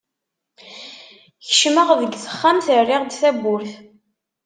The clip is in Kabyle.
Kecmeɣ deg texxamt, rriɣ-d tawwurt.